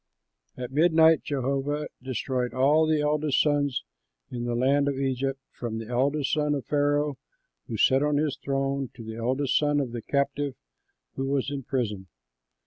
At midnight Jehovah destroyed all the eldest sons in the land of Egypt, from the eldest son of Pharaoh who sat on his throne to the eldest son of the captive who was in prison.